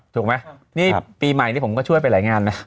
ถูกไหมนี่ปีใหม่นี่ผมก็ช่วยไปหลายงานนะ